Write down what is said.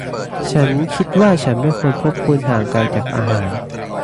ฉันคิดว่าฉันไม่ควรพบคุณห่างไกลจากอาหาร